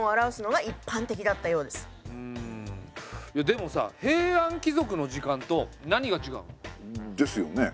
でもさ平安貴族の時間と何がちがうの？ですよね。